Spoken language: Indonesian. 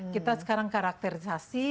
kita sekarang karakterisasi